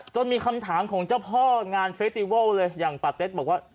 มีคำถามของเจ้าพ่องานเฟสติวัลเลยอย่างปาเต็ดบอกว่า